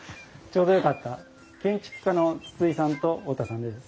ちょうどよかった建築家の筒井さんと太田さんです。